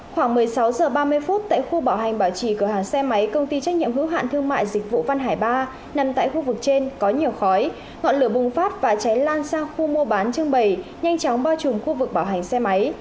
khoảng một mươi sáu h ba mươi phút tại khu bảo hành bảo trì cửa hàng xe máy công ty trách nhiệm hữu hạn thương mại dịch vụ văn hải ba nằm tại khu vực trên có nhiều khói ngọn lửa bùng phát và cháy lan sang khu mua bán trưng bày nhanh chóng bao trùm khu vực bảo hành xe máy